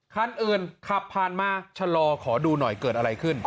คันอื่นขับผ่านมาชะลอขอดูหน่อยเกิดอะไรขึ้น